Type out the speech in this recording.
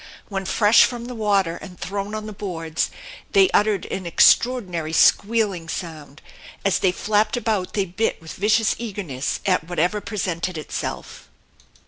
When fresh from the water and thrown on the boards they uttered an extraordinary squealing sound. As they flapped about they bit with vicious eagerness at whatever presented itself.